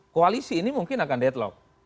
koalisi ini mungkin akan deadlock